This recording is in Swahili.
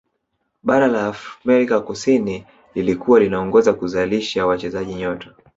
bara la amerika kusini lilikuwa linaongoza kuzalisha wachezaji nyota